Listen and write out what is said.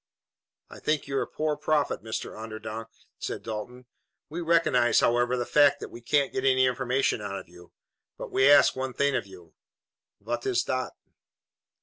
"I think you're a poor prophet, Mr. Onderdonk," said Dalton. "We recognize, however, the fact that we can't get any information out of you. But we ask one thing of you." "Vat iss dot?"